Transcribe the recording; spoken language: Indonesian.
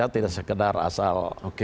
tidak sekedar asal